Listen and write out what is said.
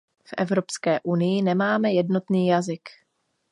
V Evropské unii nemáme jednotný jazyk.